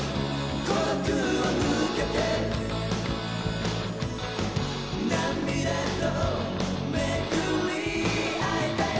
「孤独を抜けて」「涙とめぐり逢えたよ」